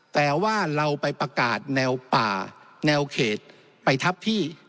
แต่ว่าเราไปประกาศแนวป่าแนวเขตไปทับที่